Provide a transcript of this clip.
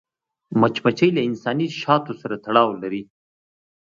مچمچۍ له انساني شاتو سره تړاو لري